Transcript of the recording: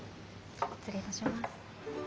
失礼いたします。